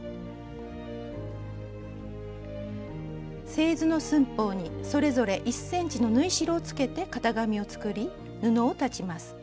製図の寸法にそれぞれ１ｃｍの縫い代をつけて型紙を作り布を裁ちます。